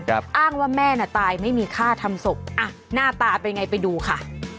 อ้างว่าแม่น่ะตายไม่มีค่าทำศพอ่ะหน้าตาเป็นไงไปดูค่ะ